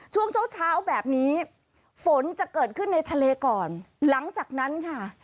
ช่วงเช้าเช้าแบบนี้ฝนจะเกิดขึ้นในทะเลก่อนหลังจากนั้นค่ะ